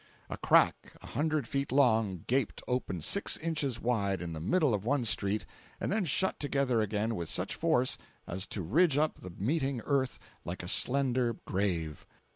A crack a hundred feet long gaped open six inches wide in the middle of one street and then shut together again with such force, as to ridge up the meeting earth like a slender grave.